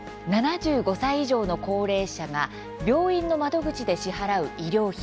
７５歳以上の高齢者が病院の窓口で支払う医療費。